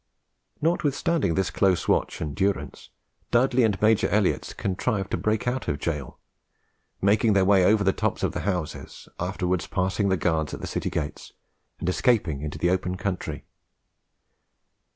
Notwithstanding this close watch and durance, Dudley and Major Elliotts contrived to break out of gaol, making their way over the tops of the houses, afterwards passing the guards at the city gates, and escaping into the open country.